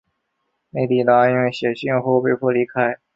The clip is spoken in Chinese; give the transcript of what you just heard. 内蒂答应写信后被迫离开。